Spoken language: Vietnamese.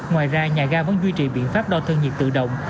ngoài ra nhà ga vẫn duy trì biện pháp đo thân nhiệt tự động